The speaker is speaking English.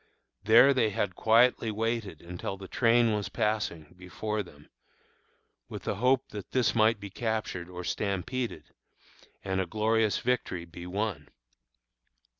There they had quietly waited until the train was passing before them, with the hope that this might be captured or stampeded, and a glorious victory be won.